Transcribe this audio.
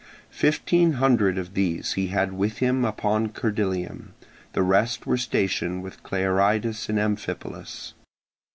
Fifteen hundred of these he had with him upon Cerdylium; the rest were stationed with Clearidas in Amphipolis.